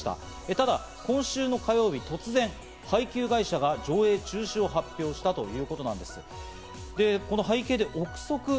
ただ今週の火曜日、突然、配給会社が上映中止を発表したということなんです。